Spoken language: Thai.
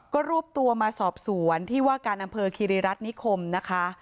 ก็รวบตัวมาสอบสวนที่ว่าการอำเภอคิริรัตนิคมนะคะ